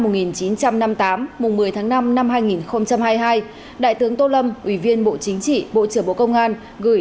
mùng một mươi tháng năm năm hai nghìn hai mươi hai đại tướng tô lâm ủy viên bộ chính trị bộ trưởng bộ công an gửi